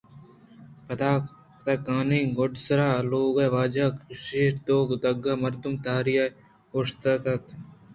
پدیانکانی گُڈسرءَ لوگ ءِ واجہ ءِکش ءَ دو دگہ مردم تہاری ءَ اوشتوک اِت اَنت